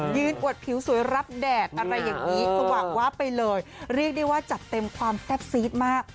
อวดผิวสวยรับแดดอะไรอย่างนี้สว่างว้าไปเลยเรียกได้ว่าจัดเต็มความแซ่บซีดมาก